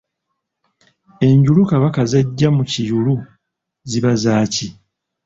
Enjulu Kabaka z'aggya mu kiyulu ziba zaki?